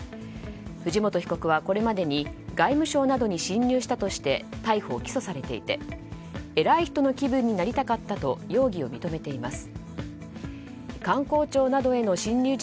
藤本被告は、これまでに外務省などに侵入したとして逮捕・起訴されていて偉い人の気分になりたかったと容疑を認めています。